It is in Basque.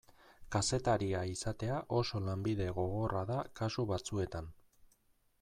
Kazetaria izatea oso lanbide gogorra da kasu batzuetan.